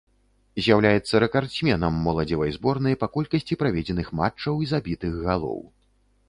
З'яўляецца рэкардсменам моладзевай зборнай па колькасці праведзеных матчаў і забітых галоў.